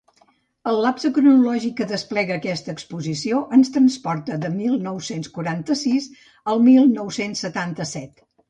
El lapse cronològic que desplega aquesta exposició ens transporta del mil nou-cents quaranta-sis al mil nou-cents setanta-set.